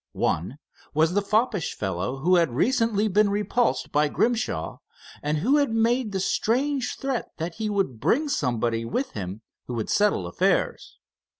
One was the foppish fellow who had recently been repulsed by Grimshaw, and who had made the strange threat that he would bring somebody with him who would settle affairs.